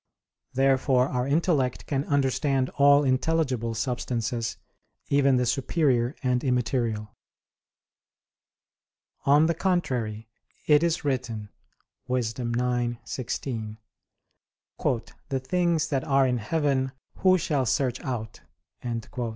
Therefore our intellect can understand all intelligible substances, even the superior and immaterial. On the contrary, It is written (Wis. 9:16): "The things that are in heaven, who shall search out?"